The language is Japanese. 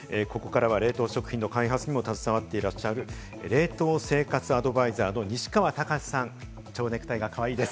ここからは冷凍食品の開発にも携わっていらっしゃる、冷凍生活アドバイザーの西川剛史さん、蝶ネクタイがかわいいです。